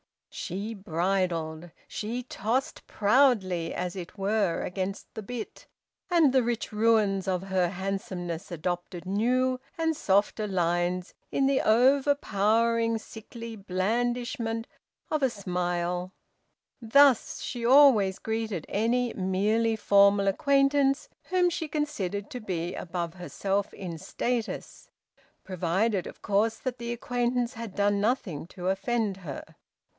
She bridled. She tossed proudly as it were against the bit. And the rich ruins of her handsomeness adopted new and softer lines in the overpowering sickly blandishment of a smile. Thus she always greeted any merely formal acquaintance whom she considered to be above herself in status provided, of course, that the acquaintance had done nothing to offend her.